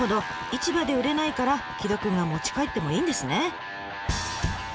市場で売れないから城戸くんが持ち帰ってもいいんですね。